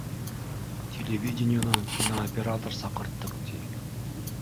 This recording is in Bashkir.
Телевидениенан кинооператор саҡырттыҡ, ти